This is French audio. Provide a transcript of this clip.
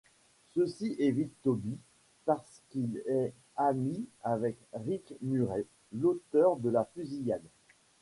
Ceux-ci évitent Toby parce qu'il est ami avec Rick Murray, l'auteur de la fusillade.